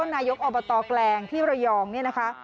นายกอบตแกลงที่ระยองเนี่ยนะคะ